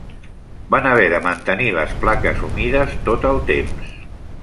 Van haver de mantenir les plaques humides tot el temps.